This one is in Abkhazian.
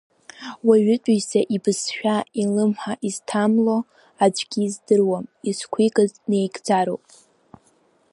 Уаҩытәыҩса ибызшәа илымҳа изҭамло, аӡәгьы издыруам, изқәикыз наигӡароуп.